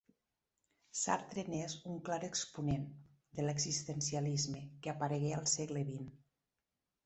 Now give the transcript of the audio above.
Sartre n'és un clar exponent, de l'existencialisme, que aparegué al segle vint.